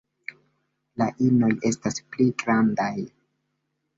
La inoj estas pli grandaj.